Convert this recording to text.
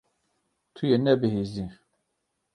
Tu yê nebihîzî.